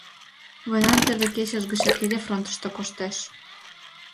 Войнан первый кечыж гычак эре фронтышто коштеш.